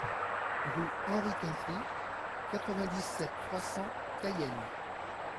Rue Henri Quintrie, quatre-vingt-dix-sept, trois cents Cayenne